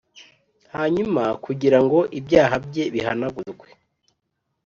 hanyuma kugira ngo ibyaha bye bihanagurwe